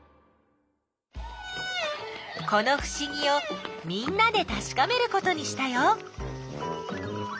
このふしぎをみんなでたしかめることにしたよ。